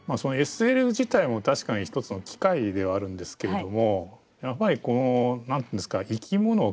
ＳＬ自体も確かに一つの機械ではあるんですけれどもやっぱりこう何て言うんですか生き物を感じさせるというか。